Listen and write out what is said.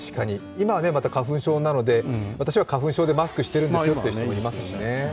今、花粉症なので私は花粉症でマスクをしているんですよという人もいますよね。